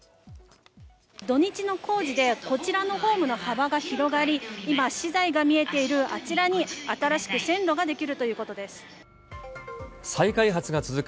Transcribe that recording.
土日の工事で、こちらのホームの幅が広がり、今、資材が見えているあちらに、新しく線路が出来るということで再開発が続く